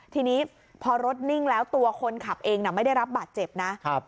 ทีนี้พอรถนิ่งแล้วตัวคนขับเองไม่ได้รับบาดเจ็บนะครับ